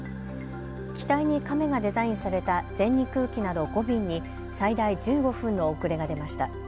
機体にカメがデザインされた全日空機など５便に最大１５分の遅れが出ました。